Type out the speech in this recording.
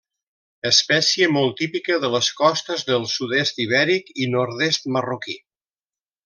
Espècie molt típica de les costes del sud-est ibèric i nord-est marroquí.